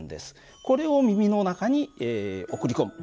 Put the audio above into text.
これを耳の中に送り込む。